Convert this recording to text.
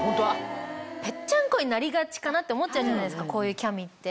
ぺっちゃんこになりがちかなって思っちゃうじゃないですかこういうキャミって。